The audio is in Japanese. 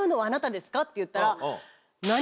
って言ったら。